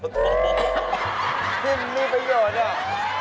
ที่มีประโยชน์